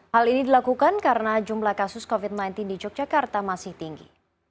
hal ini dilakukan karena jumlah kasus covid sembilan belas di yogyakarta masih tinggi